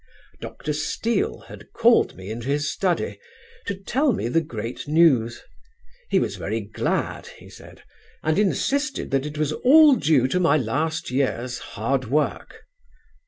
Dr. Steele had called me into his study to tell me the great news; he was very glad, he said, and insisted that it was all due to my last year's hard work.